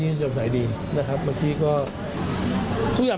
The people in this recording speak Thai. ตรงนี้จะเป็นสายรอบฟ้า